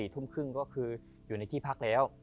ทุ่มครึ่งก็คืออยู่ในที่พักแล้ว